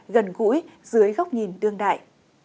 gần gũi dưới góc nhìn tương đại